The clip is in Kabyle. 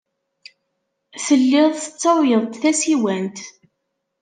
Tellid tettawyed-d tasiwant.